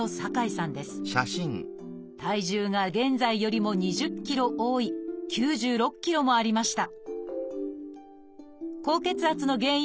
体重が現在よりも２０ｋｇ多い９６ｋｇもありました。